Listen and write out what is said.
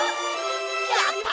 やった！